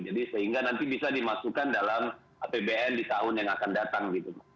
sehingga nanti bisa dimasukkan dalam apbn di tahun yang akan datang gitu